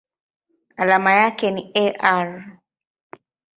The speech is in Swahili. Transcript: Alama yake ni Ar.